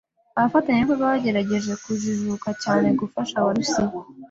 Abafatanyabikorwa bagerageje kujijuka cyane gufasha Abarusiya.